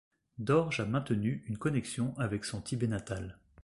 Dorje a maintenu une connexion avec son Tibet natal.